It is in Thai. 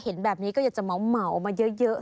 เห็นแบบนี้ก็อยากจะเหมามาเยอะ